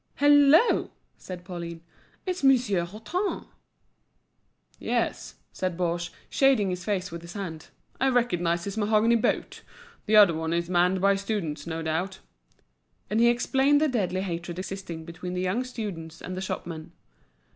"Hallo!" said Pauline, "it's Monsieur Hutin." "Yes," said Baugé, shading his face with his hand, "I recognise his mahogany boat. The other one is manned by students, no doubt." And he explained the deadly hatred existing between the young students and the shopmen.